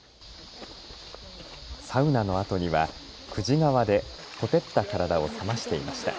サウナのあとには久慈川でほてった体を冷ましていました。